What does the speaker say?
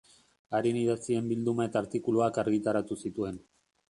Haren idatzien bilduma eta artikuluak argitaratu zituen.